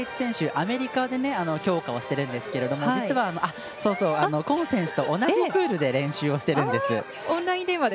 アメリカで強化してるんですが実は、コーン選手と同じプールで練習してるんです。